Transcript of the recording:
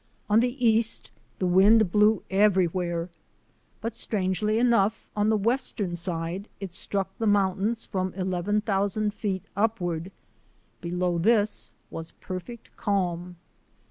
On the east the wind blew everywhere; but strangely enough on the western side it struck the moun tains from eleven thousand feet upward, be low this was perfect calm.